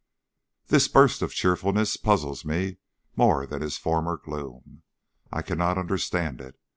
This burst of cheerfulness puzzles me more than his former gloom. I cannot understand it.